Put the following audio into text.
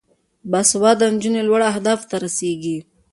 باسواده نجونې لوړو اهدافو ته رسیږي.